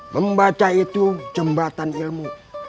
membaca itu jembatan ilmu